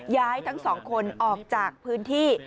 ทั้งสองคนออกจากพื้นที่